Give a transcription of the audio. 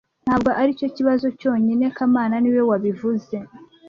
Ntabwo aricyo kibazo cyonyine kamana niwe wabivuze